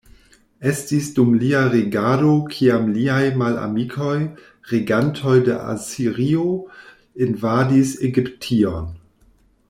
Estis dum lia regado kiam liaj malamikoj, regantoj de Asirio, invadis Egiption.